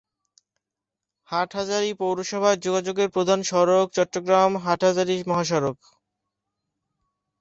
হাটহাজারী পৌরসভায় যোগাযোগের প্রধান সড়ক চট্টগ্রাম-হাটহাজারী মহাসড়ক।